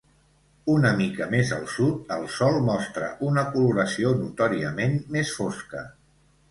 Una mica més al sud, el sòl mostra una coloració notòriament més fosca.